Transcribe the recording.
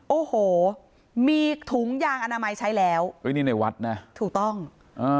โอ้โหมีถุงยางอนามัยใช้แล้วเอ้ยนี่ในวัดนะถูกต้องอ่า